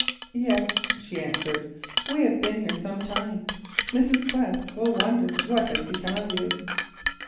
"Yes," she answered, "we have been here some time; Mrs. Quest will wonder what has become of you."